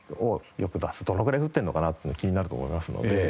どのぐらい降ってるのかなっていうの気になると思いますので。